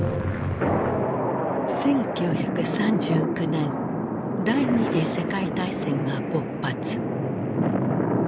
１９３９年第二次世界大戦が勃発。